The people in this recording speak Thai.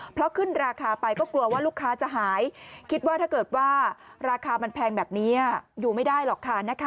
เพราะขึ้นราคาไปก็กลัวว่าลูกค้าจะหายคิดว่าถ้าเกิดว่าราคามันแพงแบบนี้อยู่ไม่ได้หรอกค่ะ